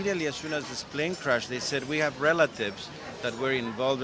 dan kami ingin anda bantu kami di amerika serikat